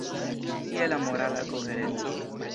Kie la morala kohereco?